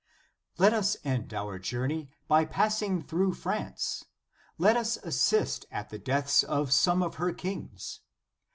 Let us end our journey by passing through France ; let us assist at the deaths of some of her kings.